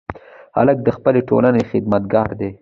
هلک د خپلې ټولنې خدمتګار دی.